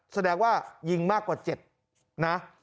แสดงว่ายิงมากกว่า๗นะ